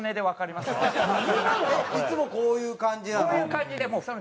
いつもこういう感じなの？